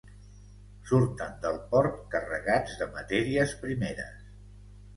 Surten del port carregats de matèries primeres.